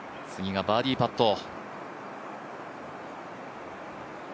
次がバーディーパット。